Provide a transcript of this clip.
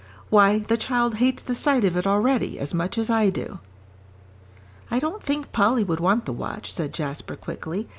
Why, the child hates the sight of it already as much as I do." "I don't think Polly would want the watch," said Jasper, quickly.